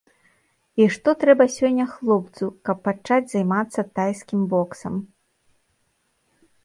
І што трэба сёння хлопцу, каб пачаць займацца тайскім боксам?